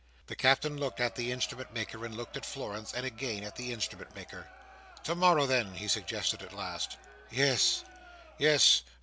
The Captain looked at the Instrument maker, and looked at Florence, and again at the Instrument maker. "To morrow, then," he suggested, at last. "Yes, yes.